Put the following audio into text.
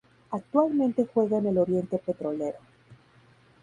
Actualmente juega en el Oriente Petrolero.